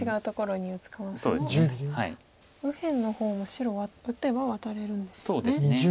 右辺の方の白は打てばワタれるんですよね。